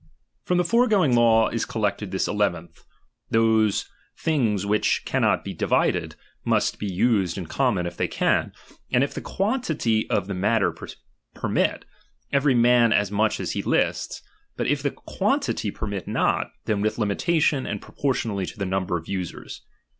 From the foregoing law is collected this eleventh, those things which cannot be divided, must he used in common if they can, and if the quantity of the matter permit, every man as much as he lists ; hut if the quantity permit not, then with limitation, and proportionally to the number of the users.